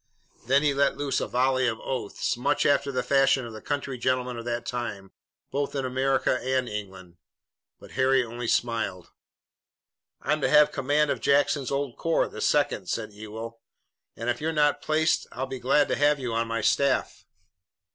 Then he let loose a volley of oaths, much after the fashion of the country gentleman of that time, both in America and England. But Harry only smiled. "I'm to have command of Jackson's old corps, the second," said Ewell, "and if you're not placed I'll be glad to have you on my staff."